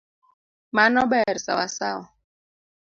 Mano ber sawasawa.